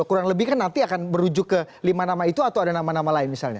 kurang lebih kan nanti akan merujuk ke lima nama itu atau ada nama nama lain misalnya